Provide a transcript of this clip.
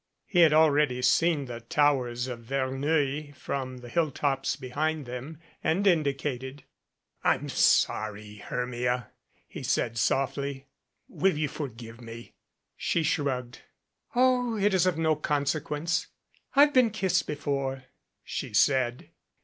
He had already seen the towers of Verneuil from the hilltops behind them and indicated. "I'm sorry, Hermia," he said softly. "Will you for give me?" 185 MADCAP She shrugged. "Oh, it's of no consequence. I've been kissed before," she said.